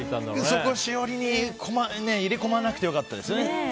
そこは、しおりに入れ込まなくてよかったですね。